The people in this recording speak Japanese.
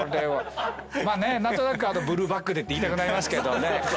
まあね何となくブルーバックでって言いたくなりますけどね。